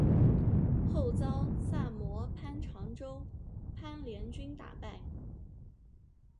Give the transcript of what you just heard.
后遭萨摩藩长州藩联军打败。